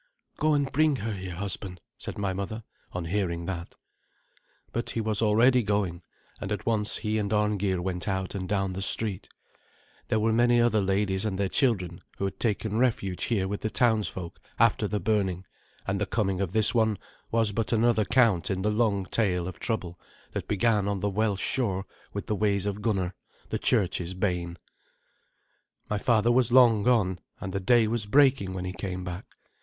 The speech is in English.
"Go and bring her here, husband," said my mother, on hearing that. But he was already going, and at once he and Arngeir went out and down the street. There were many other ladies and their children who had taken refuge here with the townsfolk after the burning, and the coming of this one was but another count in the long tale of trouble that began on the Welsh shore with the ways of Gunnar, the church's bane. My father was long gone, and the day was breaking when he came back.